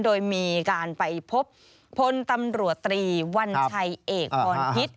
โดยมีการไปพบพลตำรวจตรีวัญชัยเอกพรพิษ